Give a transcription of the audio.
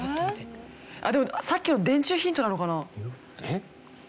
でもさっきの電柱ヒントなのかな？